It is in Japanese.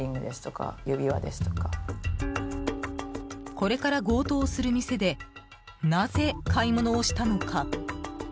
これから強盗をする店でなぜ、買い物をしたのか？